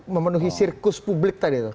memenuhi sirkus publik tadi itu